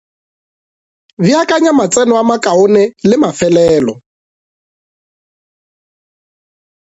Beakanya matseno a makaone le mafelelo.